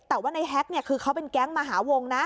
แต่ว่าในแฮ็กคือเขาเป็นแก๊งมหาวงนะ